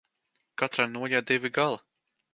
Katrai nūjai divi gali.